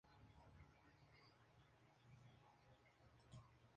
Se alimenta sólo de pescado.